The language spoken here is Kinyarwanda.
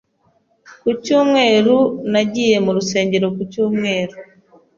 Ku cyumweru, nagiye mu rusengero ku cyumweru.